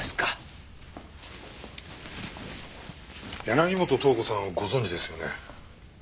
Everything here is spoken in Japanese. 柳本塔子さんをご存じですよね？